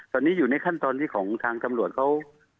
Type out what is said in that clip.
ตอนนี้อยู่ในขั้นตอนที่ของทางตำรวจเขา